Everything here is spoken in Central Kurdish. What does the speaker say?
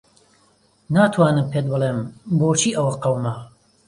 ناتوانم پێت بڵێم بۆچی ئەوە قەوما.